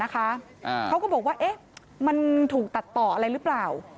เขาก็บอกว่ามันถูกตัดต่ออะไรหรือเปล่า